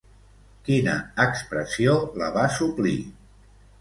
Quina expressió la va suplir?